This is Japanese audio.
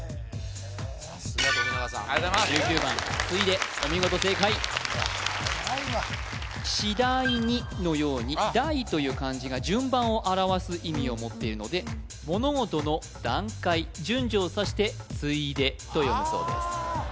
ついでお見事正解うわっはやいわ「次第に」のように「第」という漢字が順番を表す意味を持っているので物事の段階順序をさして「第で」と読むそうです